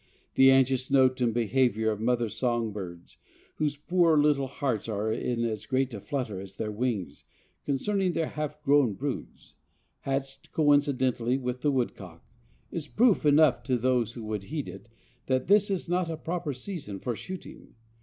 The anxious note and behavior of mother song birds, whose poor little hearts are in as great a flutter as their wings concerning their half grown broods, hatched coincidently with the woodcock, is proof enough to those who would heed it, that this is not a proper season for shooting.